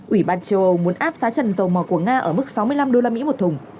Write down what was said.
ủy ban châu âu muốn áp giá trần dầu mỏ của nga ở mức sáu mươi năm đô la mỹ một thùng